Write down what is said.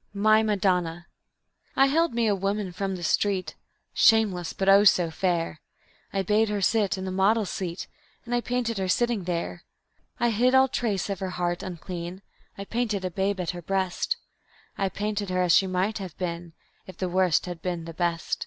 _ My Madonna I haled me a woman from the street, Shameless, but, oh, so fair! I bade her sit in the model's seat And I painted her sitting there. I hid all trace of her heart unclean; I painted a babe at her breast; I painted her as she might have been If the Worst had been the Best.